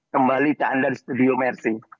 kembali ke anda di studio mersi